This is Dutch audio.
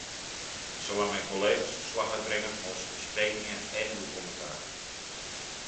Ik zal aan mijn collega's verslag uitbrengen van onze besprekingen en uw commentaar.